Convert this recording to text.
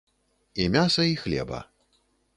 І мяса і хлеба.